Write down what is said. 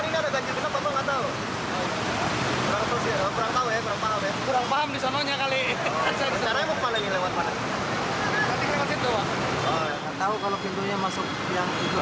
tidak tahu kalau pintunya masuk